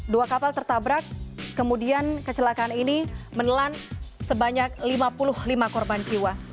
dua kapal tertabrak kemudian kecelakaan ini menelan sebanyak lima puluh lima korban jiwa